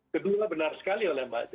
kedua benar sekali oleh mbak